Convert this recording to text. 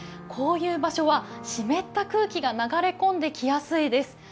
こういう場所はしめった空気が流れ込んできやすいです。